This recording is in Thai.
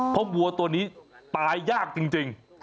เพราะวัวตัวนี้ตายยากจริง